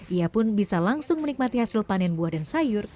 ia pun bisa langsung menikmati hasil panen buah dan sayur